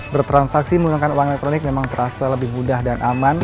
bertransaksi menggunakan uang elektronik memang terasa lebih mudah dan aman